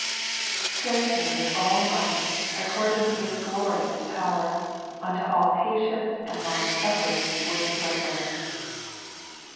" Strengthened with all might, according to His glorious fower, unto all fatience and longsuffering with joy fulness.'